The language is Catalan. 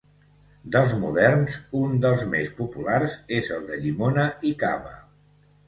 Dels moderns, un dels més populars és el de llimona i cava.